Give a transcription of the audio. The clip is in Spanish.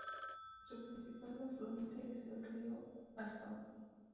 Su principal afluente es el río Alhama.